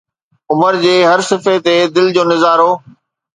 عمر جي هر صفحي تي دل جو نظارو